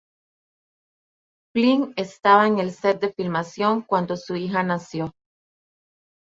Flynn estaba en el set de filmación cuando su hija nació.